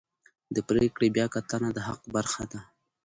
د پرېکړې بیاکتنه د حق برخه ده.